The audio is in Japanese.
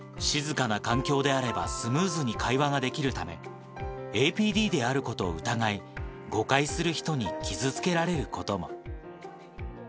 静かな環境であればスムーズに会話ができるため、ＡＰＤであることを疑い、誤解する人に傷つけられることも。